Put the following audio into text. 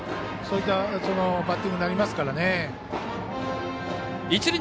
そういったバッティングになりますからね。